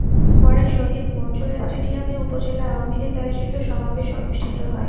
পরে শহীদ মঞ্জুর স্টেডিয়ামে উপজেলা আওয়ামী লীগ আয়োজিত সমাবেশ অনুষ্ঠিত হয়।